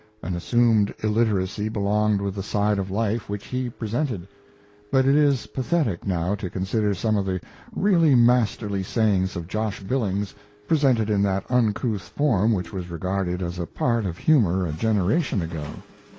An assumed illiteracy belonged with the side of life which he presented; but it is pathetic now to consider some of the really masterly sayings of Josh Billings presented in that uncouth form which was regarded as a part of humor a generation ago.